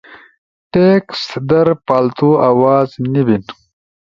ٹیکسٹ در پالتو آواز نے بین